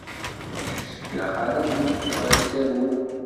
Yusef, d axalaf n ṭṭejṛa yettarwen.